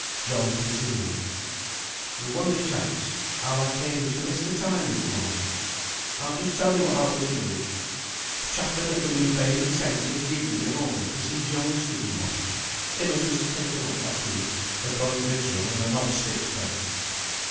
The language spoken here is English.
John continued "You'll wonder, chaps, how I came to miss the time this morning; I'll just tell you what I was a doing. Th' chaplain at the New Bailey sent and gived me an order to see Jonas Higginbotham; him as was taken up last week for throwing vitriol in a knob stick's face.